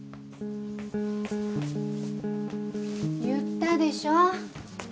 言ったでしょ？